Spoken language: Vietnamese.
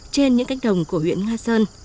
trên những cánh đồng của huyện nga sơn